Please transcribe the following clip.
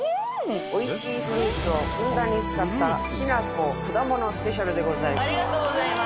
おいしいフルーツをふんだんに使った、日奈子果物スペシャルでごありがとうございます。